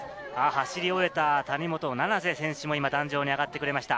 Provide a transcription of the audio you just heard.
走り終えた谷本七星選手も今壇上に上がってくれました。